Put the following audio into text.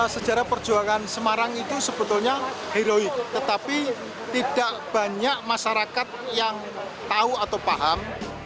sejarah perjuangan semarang itu sebetulnya heroik tetapi tidak banyak masyarakat yang tahu atau paham